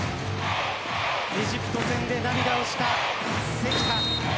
エジプト戦で涙をした関田。